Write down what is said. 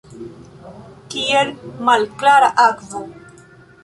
Kiel malklara akvo.